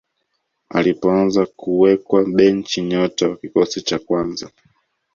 alipoanza kuwekwa benchi nyota wa kikosi cha kwanza